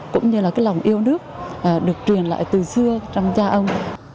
cũng như là cái lòng yêu nước được truyền lại từ xưa trong cha ông